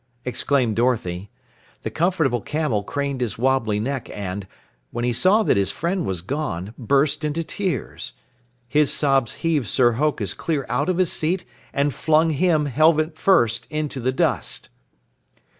exclaimed Dorothy. The Comfortable Camel craned his wobbly neck and, when he saw that his friend was gone, burst into tears. His sobs heaved Sir Hokus clear out of his seat and flung him, helmet first, into the dust.